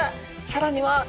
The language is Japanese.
さらには。